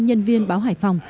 nhân viên báo hải phòng